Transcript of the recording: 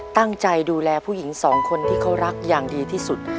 ตั้งใจดูแลผู้หญิงสองคนที่เขารักอย่างดีที่สุด